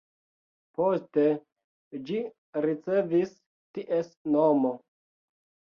Poste ĝi ricevis ties nomo.